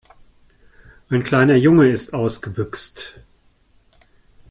Ein kleiner Junge ist ausgebüxt.